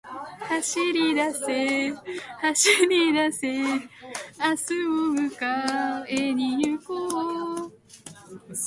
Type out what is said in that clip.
走りだせ、走りだせ、明日を迎えに行こう